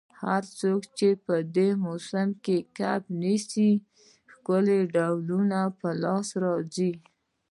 هر څوک چي په دې موسم کي کب نیسي، ښکلي ډولونه په لاس ورځي.